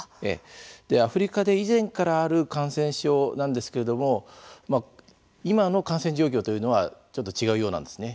アフリカで以前からある感染症なんですけれども今の感染状況というのはちょっと違うようなんですね。